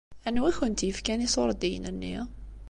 Anwi i kent-yefkan iṣuṛdiyen-nni?